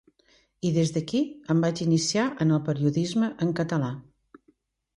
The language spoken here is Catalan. I des d’aquí em vaig iniciar en el periodisme en català.